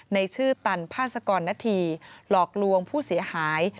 ในชื่อตันพนหลอกลวงผู้เสียหาย